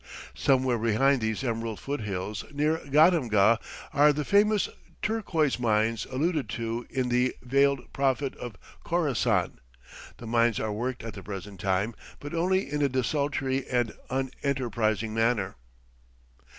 Somewhere behind these emerald foot hills, near Gadamgah, are the famous turquoise mines alluded to in the "Veiled Prophet of Khorassan." The mines are worked at the present time, but only in a desultory and unenterprising manner.